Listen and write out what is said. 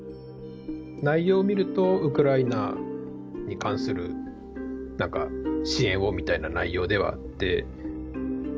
内容を見ると、ウクライナに関する、なんか、支援をみたいな内容ではあって。